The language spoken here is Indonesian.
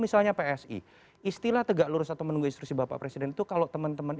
misalnya psi istilah tegak lurus atau menunggu instruksi bapak presiden itu kalau teman teman